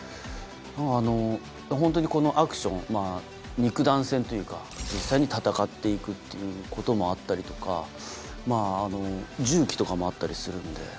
ホントにこのアクション肉弾戦というか実際に戦っていくっていうこともあったりとか銃器とかもあったりするので。